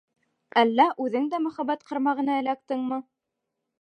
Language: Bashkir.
Әллә үҙең дә мөхәббәт ҡармағына эләктеңме?